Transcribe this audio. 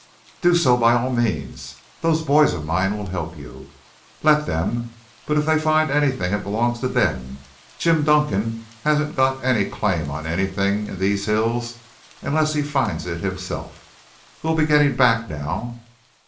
"Do so, by all means. Those boys of mine will help you." "Let them, but if they find anything it belongs to them. Jim Dunkan hasn't got any claim on anything in these hills unless he finds it for himself. We'll be getting back now."